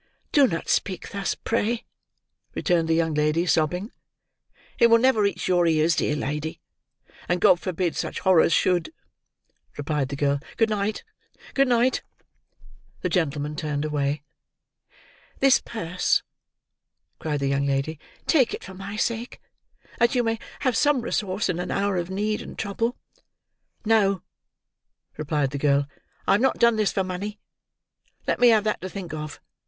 "Do not speak thus, pray," returned the young lady, sobbing. "It will never reach your ears, dear lady, and God forbid such horrors should!" replied the girl. "Good night, good night!" The gentleman turned away. "This purse," cried the young lady. "Take it for my sake, that you may have some resource in an hour of need and trouble." "No!" replied the girl. "I have not done this for money. Let me have that to think of.